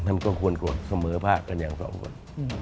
มันก็ควรกลดเสมอพากันอย่างสองคน